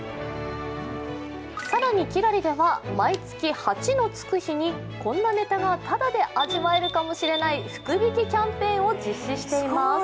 更に輝らりでは毎月８のつく日にこんなネタがただで味わえるかもしれない福引キャンペーンを実施しています。